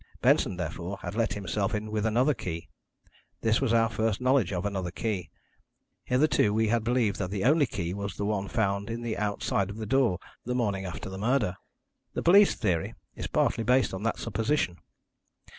Benson, therefore, had let himself in with another key. This was our first knowledge of another key. Hitherto we had believed that the only key was the one found in the outside of the door the morning after the murder. The police theory is partly based on that supposition.